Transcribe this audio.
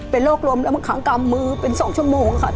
เป็นโรคลมแล้วมันขังกำมือเป็น๒ชั่วโมงค่ะ